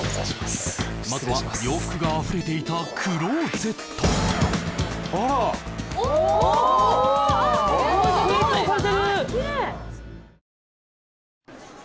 まずは洋服があふれていたクローゼットあらおおあら